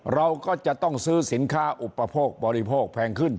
เราก็จะต้องซื้อสินค้าอุปโภคบริโภคแพงขึ้น